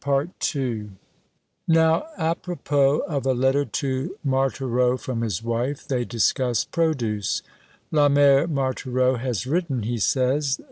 Now, a propos of a letter to Marthereau from his wife, they discuss produce. "La mere Marthereau has written," he says.